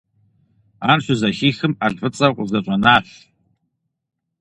Ар щызэхихым, Ӏэлфӏыцӏэу къызэщӏэнащ.